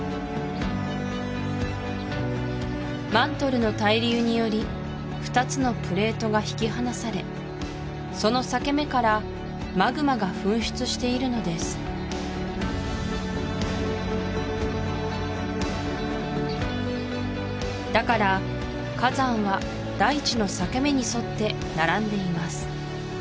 マントルの対流により２つのプレートが引き離されその裂け目からマグマが噴出しているのですだから火山は大地の裂け目に沿って並んでいます